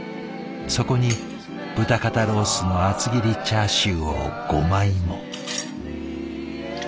そこに豚肩ロースの厚切りチャーシューを５枚も。